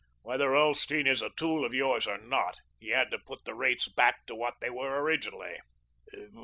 Whether Ulsteen is a tool of yours or not, he had to put the rates back to what they were originally."